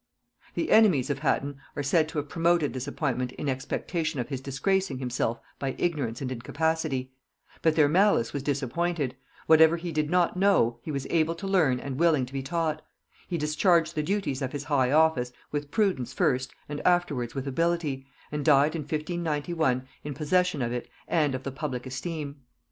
The enemies of Hatton are said to have promoted this appointment in expectation of his disgracing himself by ignorance and incapacity; but their malice was disappointed; whatever he did not know, he was able to learn and willing to be taught; he discharged the duties of his high office with prudence first and afterwards with ability, and died in 1591 in possession of it and of the public esteem.